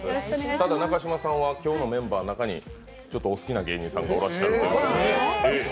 ただ中嶋さんは今日のメンバーの中にお好きな芸人さんがいらっしゃると。